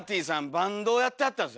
バンドやってはったんですよね。